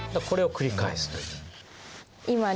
これを繰り返すという。